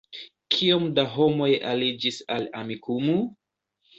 Kiom da homoj aliĝis al Amikumu?